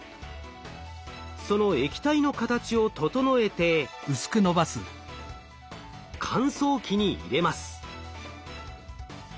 その液体の形を整えて乾燥機に入れます。